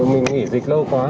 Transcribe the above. mình nghỉ dịch lâu quá rồi